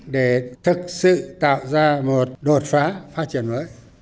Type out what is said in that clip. để thực sự tạo ra một đột phá phát triển mới